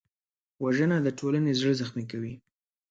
وژنه د ټولنې زړه زخمي کوي